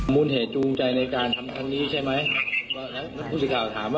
มูลเหตุจูงใจในการทำครั้งนี้ใช่ไหม